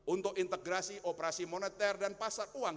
untuk integrasi operasi moneter dan pasar uang